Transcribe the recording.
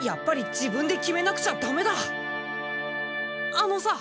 あのさ。